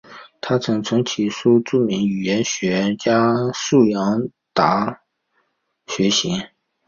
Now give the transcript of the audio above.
他曾从其叔著名语言学家杨树达学习。